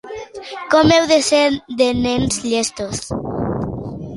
Com heu de ser de nens llestos!